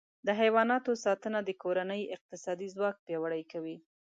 د حیواناتو ساتنه د کورنۍ اقتصادي ځواک پیاوړی کوي.